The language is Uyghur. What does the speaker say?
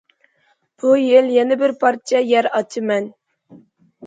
بۇ يىل يەنە بىر پارچە يەر ئاچىمەن.